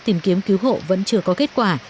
tìm kiếm cứu hộ vẫn chưa có kết quả